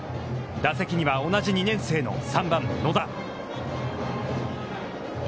打席には、同じ２年生の３番野田。